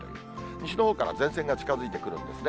西のほうから前線が近づいてくるんですね。